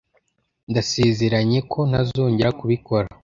ndasezeranye ko ntazongera kubikora